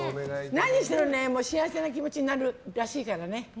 何しても幸せな気持ちになれるらしいからね。